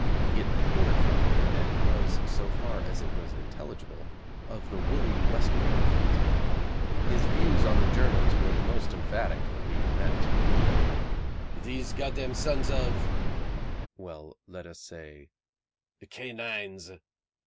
It poured from him and was, so far as it was intelligible, of the woolly Western variety. His views on the Germans were the most emphatic we had met. 'These Godam sons of' well, let us say 'Canines!'